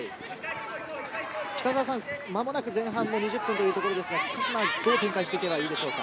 間もなく前半２０分というところですが、鹿島はどう展開していけばいいでしょう。